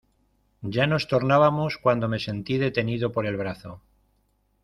ya nos tornábamos, cuando me sentí detenido por el brazo.